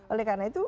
oleh karena itu